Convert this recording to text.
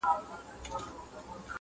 تر کوډ ګرو، مداریانو، تعویذونو!.